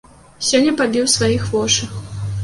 Сёння пабіў сваіх вошы.